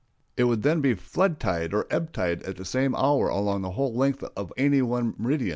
It would then be flood tide or ebb tide at the same hour along the whole length of any one meridian.